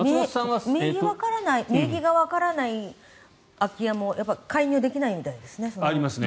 名義がわからない空き家も介入できないみたいですね。